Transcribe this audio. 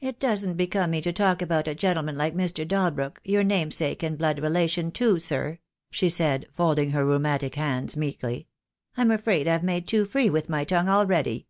"It doesn't become me to talk about a gentleman like Mr. Dalbrook, your namesake and blood relation, too, sir," she said, folding her rheumatic hands meekly. "I'm afraid I've made too free with my tongue already."